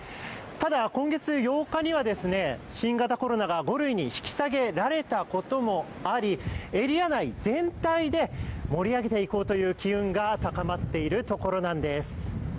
ただ、今月８日には新型コロナが５類に引き下げられたこともあり、エリア内全体で盛り上げていこうという機運が高まっている所なんです。